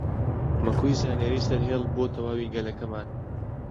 مەکۆی زانیاری سەرهێڵ بۆ تەواوی گەلەکەمان